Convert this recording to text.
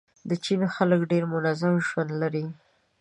د چین خلک ډېر منظم ژوند لري.